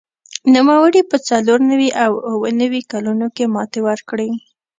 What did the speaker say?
نوموړي په څلور نوي او اووه نوي کلونو کې ماتې ورکړې